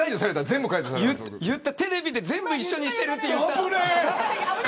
テレビで全部一緒にしてるって言った。